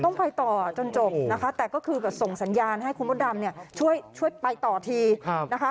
ต้องไปต่อจนจบนะคะแต่ก็คือแบบส่งสัญญาณให้คุณมดดำเนี่ยช่วยไปต่อทีนะคะ